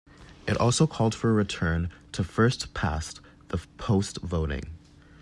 It also called for a return to first past the post voting.